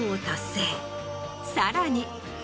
さらに。